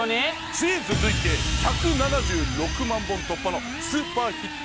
シリーズ累計１７６万本突破のスーパーヒット